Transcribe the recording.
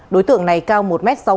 đối tượng này cao một m sáu mươi